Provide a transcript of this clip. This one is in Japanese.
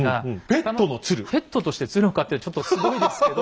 ペットとして鶴を飼ってるってちょっとすごいですけど。